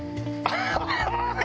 ハハハハ！